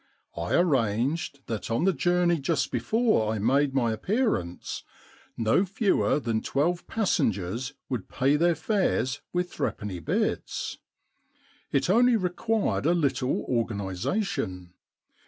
I arranged that on the journey just before I made my appearance no fewer than twelve passengers would pay their fares with threepenny bits. It only required a little organisation.